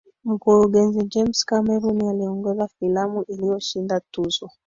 mkurugenzi james cameron aliongoza filamu iliyoshinda tuzo